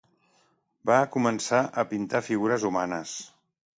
Va començar a pintar figures humanes.